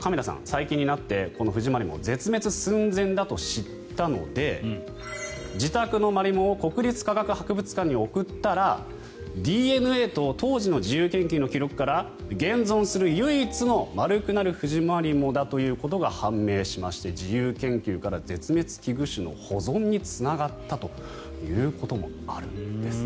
最近になってこのフジマリモが絶滅寸前だと知ったので自宅のマリモを国立科学博物館に送ったらＤＮＡと当時の自由研究の記録から現存する、唯一の丸くなるフジマリモだということが判明しまして自由研究から絶滅危惧種の保存につながったということもあるんです。